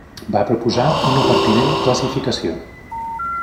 Va proposar una pertinent classificació.